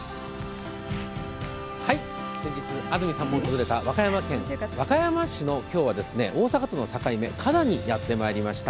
先日、安住さんも訪れた和歌山県和歌山市の、今日は大阪との境目・加太にやってきました。